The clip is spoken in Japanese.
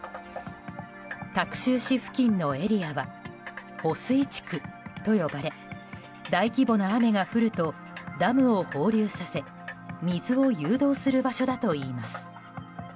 タク州市付近のエリアは保水地区と呼ばれ大規模な雨が降るとダムを放流させ水を誘導する場所だといいます。